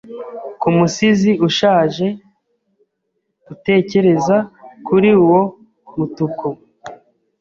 Ku musizi ushaje utekereza kuri uwo mutuku